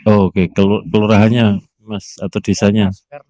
oke kelurahannya mas atau desanya